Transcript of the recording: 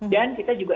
dan kita juga